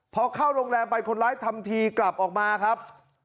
พอเข้าโรงแรมไปคนร้ายทำทีกลับออกมาครับ